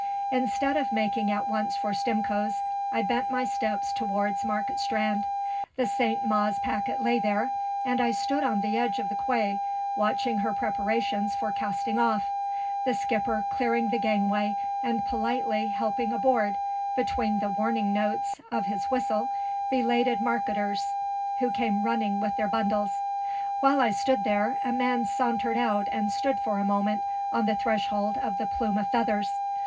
Instead of making at once for Stimcoe's, I bent my steps towards Market Strand. The St. Mawes packet lay there, and I stood on the edge of the quay, watching her preparations for casting off the skipper clearing the gangway and politely helping aboard, between the warning notes of his whistle, belated marketers who came running with their bundles. While I stood there, a man sauntered out and stood for a moment on the threshold of the Plume of Feathers.